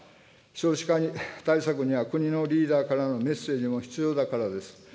少子化対策には国のリーダーからのメッセージも必要だからです。